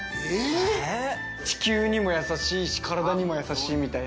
地球にも優しいし、体にも優しいみたいな。